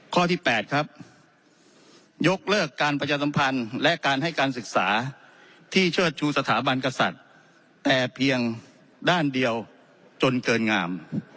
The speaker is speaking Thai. ข้อที่๘ครับยกเลิกการประชาสัมพันธ์และการให้การศึกษาที่เชิดชูสถาบันกษัตริย์แต่เพียงด้านเดียวจนเกินงาม